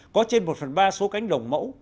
có trên một phần ba số cánh đồng mẫu